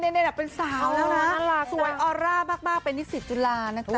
เนี้ยแบบเป็นสาวสวยออร่ามากมากเป็นนิสิตจุฬานะครับ